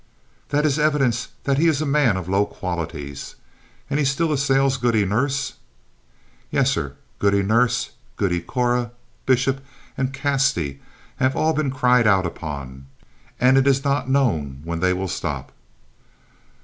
"That is an evidence that he is a man of low qualities. And he still assails Goody Nurse?" "Yes, sir. Goody Nurse, Goody Corey, Bishop and Casty have all been cried out upon, and it is not known when they will stop."